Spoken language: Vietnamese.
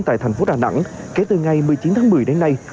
tại thành phố đà nẵng kể từ ngày một mươi chín tháng một mươi đến nay